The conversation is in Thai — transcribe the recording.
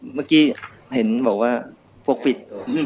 เมื่อกี้เห็นบอกว่าพวกปิด